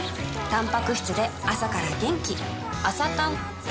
たんぱく質で朝から元気